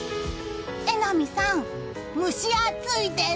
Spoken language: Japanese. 榎並さん、蒸し暑いです。